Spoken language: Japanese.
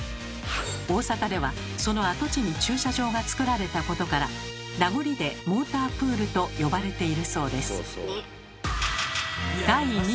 大阪ではその跡地に駐車場がつくられたことから名残でモータープールと呼ばれているそうです。